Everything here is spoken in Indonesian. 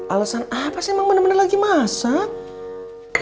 alasan apa saya memang benar benar lagi masak